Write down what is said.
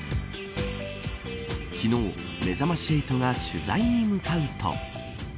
昨日めざまし８が取材に向かうと。